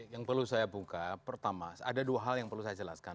yang perlu saya buka pertama ada dua hal yang perlu saya jelaskan